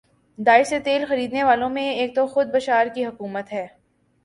داعش سے تیل خرینے والوں میں ایک تو خود بشار کی حکومت ہے